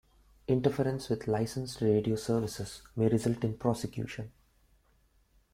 Interference with licensed radio services may result in prosecution.